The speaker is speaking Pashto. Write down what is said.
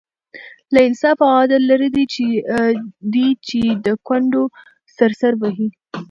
له انصاف او عدل لرې دی چې د کونډو سر سر وهي.